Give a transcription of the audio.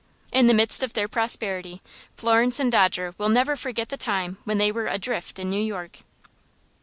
In the midst of their prosperity Florence and Dodger will never forget the time when they were adrift in New York.